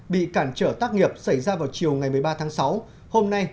bị cản trở tác nghiệp xảy ra vào chiều ngày một mươi ba tháng sáu hôm nay